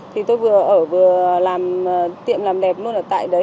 thì tôi vừa ở vừa làm tiệm làm đẹp luôn ở tại đấy